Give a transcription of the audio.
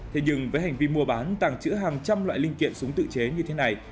thế nhưng với hành vi mua bán tàng trữ hàng trăm loại linh kiện súng tự chế như thế này